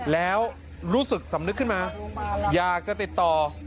แล้วรู้สึกสำนึกขึ้นมาอยากจะติดต่อ